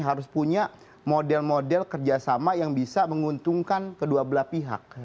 harus punya model model kerjasama yang bisa menguntungkan kedua belah pihak